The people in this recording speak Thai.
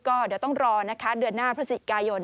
ก็เดี๋ยวต้องรอนะคะเดือนหน้าพฤศจิกายน